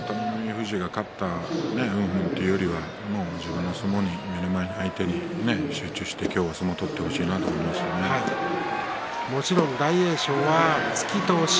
富士が勝ったうんぬんというよりは自分の相撲目の前の相手に集中して今日は相撲を取ってもらいたいともちろん大栄翔は突きと押し。